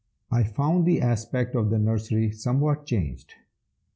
I found the aspect of the nursery somewhat changed.